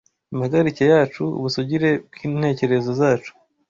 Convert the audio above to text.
impagarike yacu, ubusugire bw’intekerezo zacu